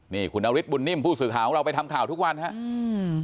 นี่คุณนฤทธบุญนิ่มผู้สื่อข่าวของเราไปทำข่าวทุกวันครับ